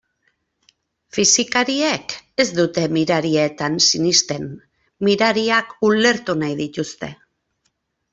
Fisikariek ez dute mirarietan sinesten, mirariak ulertu nahi dituzte.